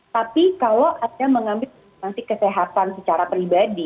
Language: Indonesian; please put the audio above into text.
tapi kalau anda mengambil substansi kesehatan secara pribadi